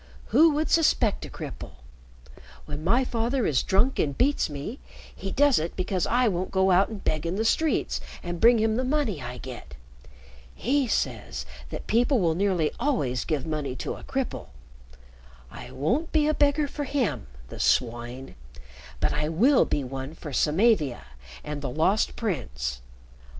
Who would suspect a cripple? When my father is drunk and beats me, he does it because I won't go out and beg in the streets and bring him the money I get. He says that people will nearly always give money to a cripple. I won't be a beggar for him the swine but I will be one for Samavia and the Lost Prince.